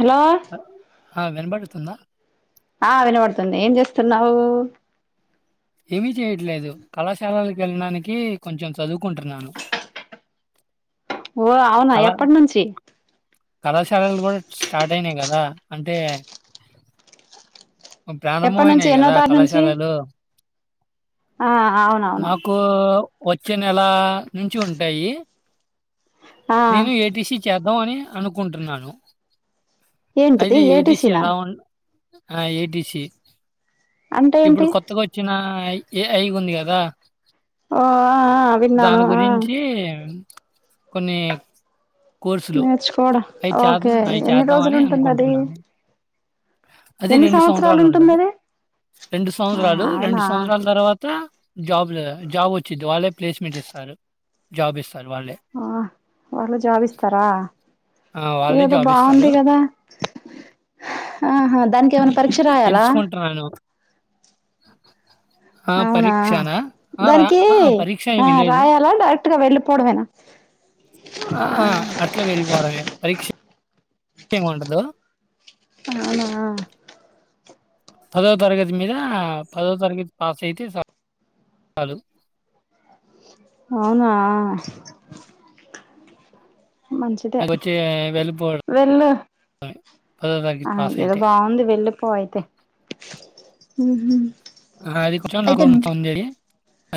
[inaudible] Hello ఆ వినబడుతుందా ఆ వినపడుతుంది ఏం చేస్తున్నావు ఏమి చేయట్లేదు కళాశాలకు వెళ్ళడానికి కొంచెం చదువుకుంటున్నాను ఓ అవునా కళా ఎప్పటనుంచి కళాశాలలు కూడా స్టార్ట్ అయిన్ కదా అ అంటే ప్రారంభం ఎప్పటి నుంచి అయినాయి ఎన్నో కదా తారీఖు నుంచి కళాశాలలు ఆ అవునవును మాకు వచ్చే నెల నుంచి ఉంటాయి ఆ నేను ఏటిసి చే ద్దాం అని అనుకుంటున్నాను ఏంటది అది ఏటీసీ ఏడిసిన ఎలా ఉం ఆ ఏ డీసీ అంటే ఏంటి ఇప్పుడు కొత్తగా వచ్చిన ఏ ఐ ఉంది కదా ఓ ఆ ఆ విన్నాను ఆ కొన్ని కోర్సులు నేర్చుకోడ అయి ఓకే చేద్దాం అయి ఎన్ని రోజులు చేద్దామని ఉంటుంది అది అనుకుంటున్నాను. అది ఎన్ని రెండు సంవత్సరాలు ఉంటుంది ఉంటది అది రెండు ఆ సంవత్సరాలు రెండు అవునా సంవత్సరాల్ తర్వాత త జాబ్ ల జాబ్ వచ్చింది వాళ్ళే ప్లేస్మెంట్ ఇస్తారు జాబ్ ఇస్ ఆ వాళ్ళు జాబ్ ఇస్తారా ఆ! వాళ్ళే ఇదేదో జాబ్ ఇస్తారు. బాగుంది కదా ఆహా దానికి ఏవన్నా పరీక్ష రాయాలా తెలుసుకుంటున్నాను. [unintelligible] అవునా పరీక్షనా? ఆ! రా దానికి అహా! పరీక్ష ఆ ఏమి లేదు. రాయాలా డైరెక్ట్గా వెళ్ళిపోవడమేనా ఆ ఏముండదు అవునా పదో తరగతి మీద పదో తరగతి పాస్ అయితే సా సాలు. అవునా మంచిదే నాకొచ్చే వెళ్ళిపోవడం వెళ్ళు పదో తరగతి ఆ పాస్ ఏదో అయితే. బాగుంది వెళ్ళిపో అయితే ఉహు ఆ అది కొంచం నాకు ఇన్ఫార్మ్ చేయి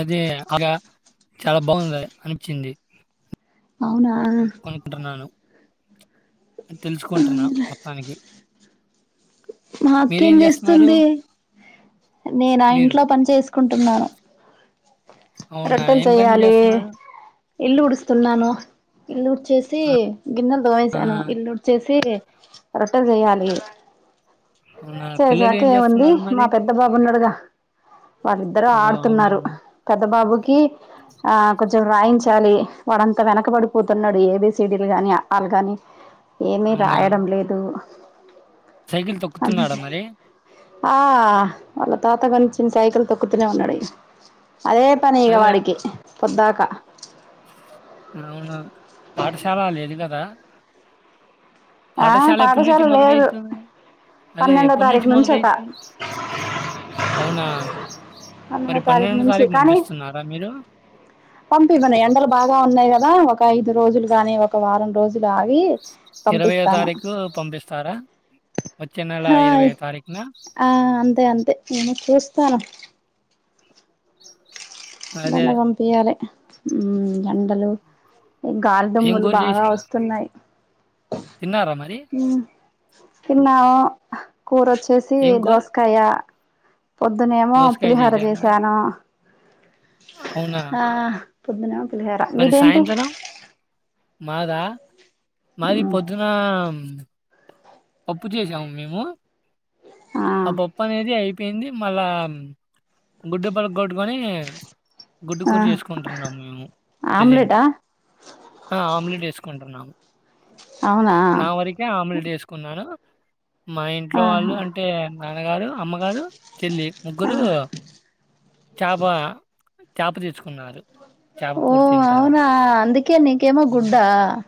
అదే ఇగా చాలా బాగుంది అనిచ్చింది. అవునా కొనుకుంటున్నాను. అది తెలుసుకుంటున్నా మొత్తానికి మా అక్కేం మీరేం చేస్తున్నారు? చేస్తుంది నేను ఆ మీరు ఇంట్లో పని చేసు కుంటున్నాను అవునా ఏం పని చేస్తున్నారు ఇల్లు ఉడ్సుతున్నాను ఇల్లు ఉడ్చి వచ్చేసి గిన్నెలు ఆ! దోమెసాను, ఇల్లు ఉడ్చేసి రొట్టెల్ చేయాలి. అవునా! పిల్లలు చేశాక ఏం ఏముంది చేస్తున్నారు మా మరి? పెద్ద బాబున్నాడుగా వాళ్ళిద్దరు ఓహ్! అవునా! ఆడుతున్నారు. పెద్ద బాబుకి ఆ కొంచెం రాయించాలి వాడంతా వెనకబడిపోతున్నాడు ఏబీసిడీలు గాని అఆలు గాని ఏమి అవునా! రాయడం లేదు సైకిల్ అందు తొక్కుతున్నాడా మరి ఆ వాళ్ళ తాత కొనిచ్చిన సైకిల్ తొక్కుతూనే ఉన్నాడు [unintelligible] అదే పని ఇగ వాడికి పొద్దాకా అవును పాఠశాల లేదు కదా ఆ పాఠశాల ఎప్పటి నుంచి లేదు మొదలైతుంది, అదే పన్నెండో ఎప్పటి నుంచి తారీఖు నుంచట మొదలైతు అవునా పంతో మరి ది తారీఖు నుంచి కానీ పంపిస్తున్నారా మీరు? పంపివని ఎండలు బాగా ఉన్నాయి కదా అవునుఒక ఐదు రోజులు గాని ఒక వారం రోజులు ఆగి పంపిస్తాను తారీఖు పంపిస్తారా? వచ్చే నెల హయ్ తారీఖున? ఆఅంతే అంతే నేను చూస్తను అదే బన్న పంపియాలే ఉ ఎండలు ఈ ఏం గాలిదమ్ములు కూర బాగా చేశారు? వస్తున్నాయి తిన్నారా మరి తిన్నావా కూర వచ్చేసి ఏం కూర? దోసకాయ పొద్దునేమో దోసకాయ పులిహర చే చేశారా? స్యాను అవునా! ఆా పోద్దునా మరి సాయంత్రం మాదా మాది మ్మ్ పొద్దున్న అప్పు చేసాము మేము ఆ పప్పు అనేది అయిపోయింది మళ్ళా గుడ్డుపలకొట్టుకొని గుడ్డు ఆ కూూర చేసుకుంటున్నాం మేము ప్రజెంట్ ఆమ్లెటా ఆమ్లెట్ వేసుకు కొంటు ర్న్నాము అవునా నా వరకే ఆములేట్ వేసుకున్నాను మా ఇంట్లో వాళ్ళు ఆహా అంటే నాన్నగారు అమ్మగారు చెల్లి ఆ ముగ్గురు చాప చేప తీసుకున్నారు ఓ అవునా అందుకే నీకేమ హ్మ్. గుడ్డా అ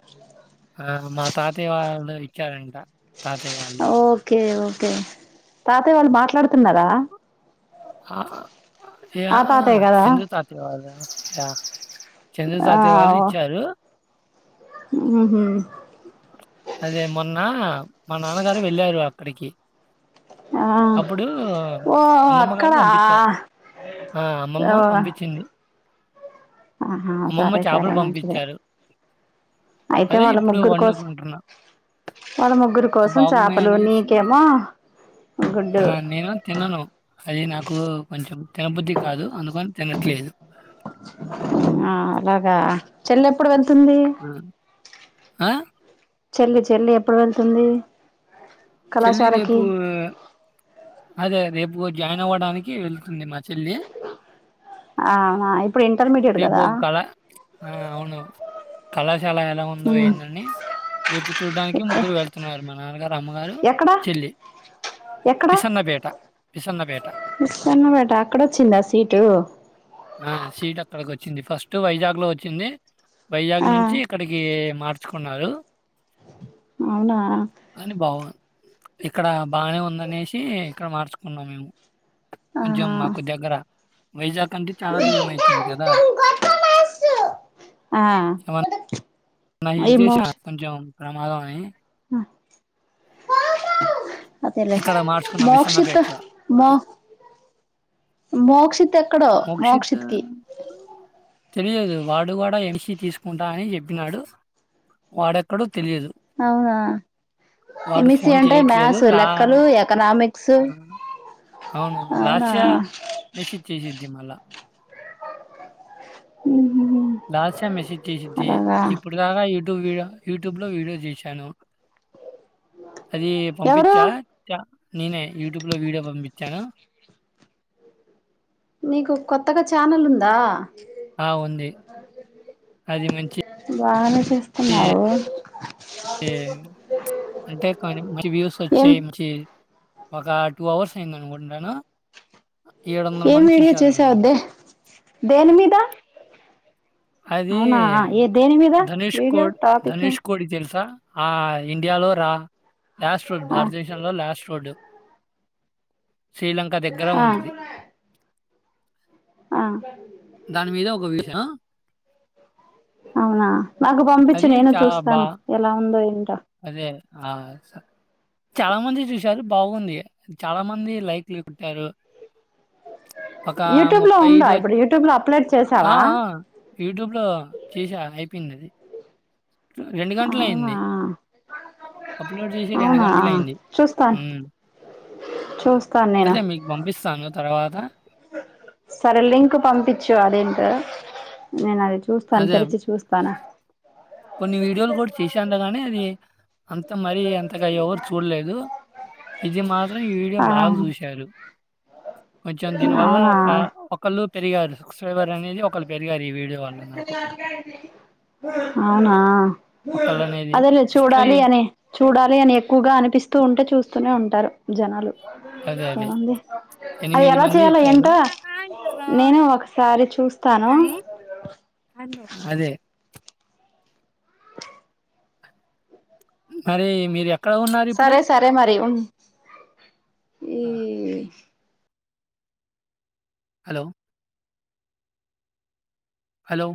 ఆ మా తాతయ్య వాళ్ళు ఇచ్చారంట తాతయ్య వాళ్ళు. ఓకే ఓకే తాతయ్య వాళ్ళు ు మాట్లాడుతున్నారా ఆ ఏ ఆ తాతయ్య కదా సింధు తాతయ్య వాళ [inaudible] చంద్రజాతే వాళ్ళు ఇచ్చారూ. ఊహూ అదే మొన్నా మా నాన్నగారు వెళ్ళారు అక్ అక్కడికి ఆ అప్పుడూ ఓ అమ్మమ్మ అక్కడ గారు పంపించ ఆ ఓ అమ్మమ్మ పంపించింది. ఆహా అమ్మమ్మ సరే సరే చేపలు మంచిదే. పంపించారు. అయితే అదే వాళ్ళ ఇప్పుడు ముగ్గురు కోస్ వండుకుంటున్నా. వాళ్ళ ముగ్గురు ఆ! కోసం చేపలు బాగున్నాయనేసి నీకేమో ఆ గుడ్డు నేను తినను. అది నాకూ కొంచెం తినబుద్ది కాదు, అందుకని తినట్లేదు. ఆ అలాగా చేలెప్పుడు వెల్ ఆ చెల్లి చెల్లి ఎప్పుడు వెళ్తుందీ చెల్లి రేపు ఆ అదే రేప్ పు జాయిన్ అవ్వడానికి వెళ్తుంది మా చెల్లి ఆ వా అయిత్ రేపు కళా ఆ అవును కళాశ్ శాలా ఎలా ఉందో ఏందో అనీ రేపు చూడ్డానికి ఎక్కడ ముగ్గురు వెళ్తున్నారు మా నాన్నగారు అమ్మగారు ఎక్కడ చెల్లి. ఎక్కడ పిసన్నపేట పిసన్నపేట విస్కన్నపేట అక్కడ వచ్చిందా సీటు ఆ సీడ్ వచ్చింది ఫస్ట్ వైజాగ్ లో వచ్చిందీ వైజాగ్ ఆ నుంచి ఇక్కడికీ మార్చుకున్నారూ అవునా ఇక్కడా బాగానే ఉందనేసి ఇక్కడ మార్చుకున్నాం మేము కొంచం ఆహా మాకు దగ్గర. వైజాగ్ కంటే చాలా దూరమయిత్ ఉంది కదా ఆ ఏమ నా ఈ మోక్ష [unintelligible] కొంచెం ప్రమాదం అనీ [inaudible] అదేలే ఇక్కడ మార్చుకున్నాం మోక్షిత మో విసన్నపేటలోకి మోక్షితెక్ మోక్షిత ఆ తెలియదు వాడు గూడా ఏం సీ తీసుకుంటా అని చెప్పినాడు వాడెక్కడ్ అవునా ఎం వాడు ఇ సి ఫోను అంటే మ్యాథ్స్ లెక్కలు ఎకనామిక్ అవును అవును అవునా లాస్య మేసిజ్ చేసి దిమల ఉ లాస్య మెసేజ్ చేసిద్ది ఇప్పుడుదాకా టు వీడియో యూట్యూబ్లో వీడియో చేశాను అది ఎవరు పంపించా ట నేనే యూట్యూబ్ లో వీడియో పంపి చాను నీకు కొత్తగా ఛానల్ ఉందా ఆ ఉంది అది మంచి వాహను చేస్తున్నావు ఎం అంటే కొంచెం మంచి వ్యూస్ ఏం వచ్చినై మంచి ఒక టూ అవర్స్ నేను కనుగుంటాను ఏం వీడియో చూసా వద్దే దేని మీద అది అవునా ఏ దేని మీద ధనుష్ కో వీడియో టాపిక్ ధనుష్ కోడి తెలుసా ఆ ఇండియాలో రా లాస్ట్ రోడ్డు ఆ భారతదేశంలో లాస్ట్ రోడ్డు శ్రీలంక దగ్గర ఆ ఉంటది అ దాని మీద ఒక విషయం అవునా నాకు పంపిచు అది నేను చాలా బా చూస్తాను ఎలా ఉందో ఎం అదే ఆ స చాలా మంది చూసారు బాగుంది చాలా మంది లైక్లు కోట్టారు ఒక యూట్యూబ్ లో ముప్పై ఉందా ఐదు వ ఇప్పుడు యూట్యూబ్ లో అప్లోడ్ ఆ చేసావా ఆ యూట్యూబ్ లో చేసా అయిపోయింది అది రెండు గంటలు అవునా అయింది అప్లోడ్ చేసి రెండు అవునా గంటల అయింది చూస్తాను ఉ చూస్తాను నేను అదే మీకు పంపిస్తాను తర్వాత అ సరే లింక్ పంపిచు అదేంటో నేను అది చూస్తాను అదే తెరిచి చూస్తాను కొన్ని వీడియోలు కూడా చేసాంట గానీ అది అంత మరి అంతగా ఎవరు చూడలేదు ఇది మా నూన ఈ ఆ వీడియోను బాగా చూశారు కొంచెం దీని వల్ల అవునా ఒక ఒకలు పెరిగారు సబ్స్క్రైబర్ అనేది ఒకళ్రు పెరిగారు ఈ వీడియో వాళ్ళ అవునా ఒకళ్ళనేది అదేలేదు ఫస్ట్‌లో చూడాలి ఎ అని చూడాలి అని ఎక్కువగా అనిపిస్తూ ఉంటే చూస్త వస్తూనే ఉంటారు జనాలు అదే. అదే. ఏముంది అది ఎలా మంది చేయలో ఇచ్చారు. ఎంటో నేను ఒకసారి చూస్తే స్తాను అదే. మరి మీర సరే సరే మరి ఉం ఏ ఆ! Hello hello